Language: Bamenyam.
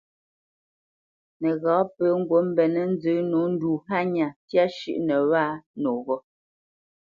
Nəghǎ pə ŋgǔt mbenə́ nzə nǒ ndu hánya ntyá shʉ́ʼnə wâ noghó.